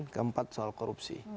dan keempat soal korupsi